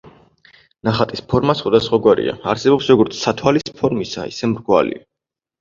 ნახატის ფორმა სხვადასხვაგვარია, არსებობს როგორც სათვალის ფორმისა, ისე მრგვალი.